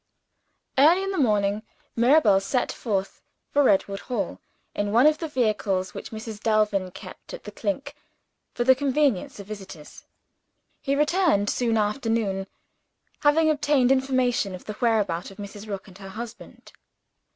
Early in the morning Mirabel set forth for Redwood Hall, in one of the vehicles which Mrs. Delvin still kept at "The Clink" for the convenience of visitors. He returned soon after noon; having obtained information of the whereabout of Mrs. Rook and her husband.